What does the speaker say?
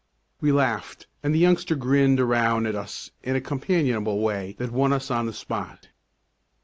We laughed, and the youngster grinned around at us in a companionable way that won us on the spot.